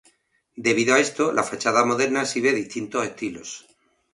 Debido a esto, la fachada moderna exhibe distintos estilos.